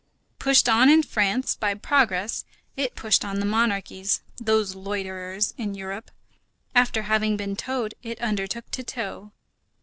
Pushed on in France by progress, it pushed on the monarchies, those loiterers in Europe. After having been towed, it undertook to tow.